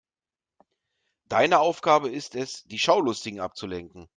Deine Aufgabe ist es, die Schaulustigen abzulenken.